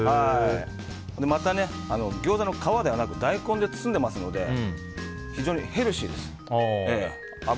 また、ギョーザの皮ではなく大根で包んでますので非常にヘルシーです。